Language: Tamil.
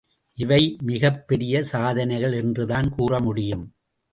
இவை மிகப் பெரிய சாதனைகள் என்றுதான் கூறமுடியும்.